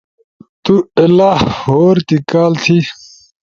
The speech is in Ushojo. تو ایلا؟[ہور تی کال تھی]